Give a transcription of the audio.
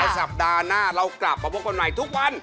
สัปดาห์หน้าเรากลับมาพบกันใหม่ทุกวัน